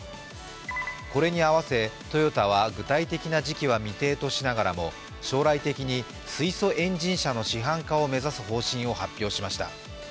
これにあわせ、トヨタは具体的な時期は未定としながらも将来的に、水素エンジン車の市販化を目指す方針を発表しました。